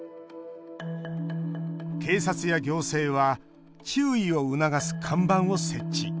警察や行政は注意を促す看板を設置。